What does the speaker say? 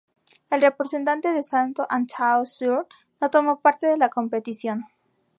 El representante de Santo Antão Sur no tomó parte de la competición.